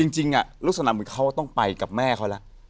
จริงลักษณะเหมือนเขาต้องไปกับแม่เขาแล้ว